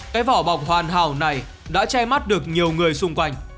cái vỏ bọc hoàn hảo này đã che mắt được nhiều người xung quanh